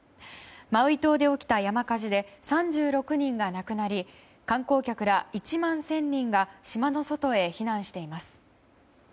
マウイ島で起きた山火事で３６人が亡くなり観光客ら１万１０００人が島の外へ避難しています。